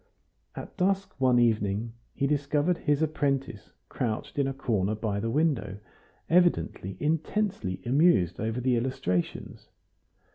At dusk one evening he discovered his apprentice crouched in a corner by the window, evidently intensely amused over the illustrations.